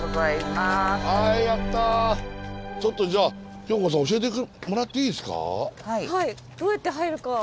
ちょっとじゃあ京子さん教えてもらっていいですか？